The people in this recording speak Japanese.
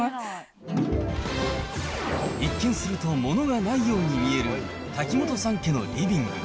一見すると物がないように見える、瀧本さん家のリビング。